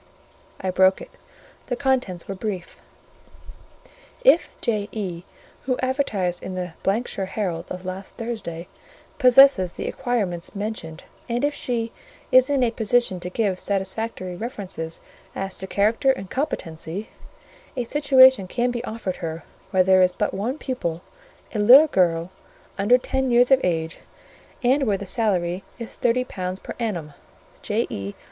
I broke it; the contents were brief. "If J.E., who advertised in the ——shire Herald of last Thursday, possesses the acquirements mentioned, and if she is in a position to give satisfactory references as to character and competency, a situation can be offered her where there is but one pupil, a little girl, under ten years of age; and where the salary is thirty pounds per annum. J.E.